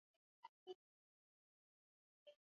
ti ya waziri mkuu wa cote dvoire gion soroh